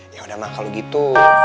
yaudah ma kalau gitu